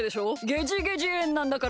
ゲジゲジえんなんだから。